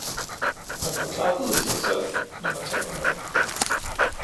Man får klarhed i sig selv, når man taler med dem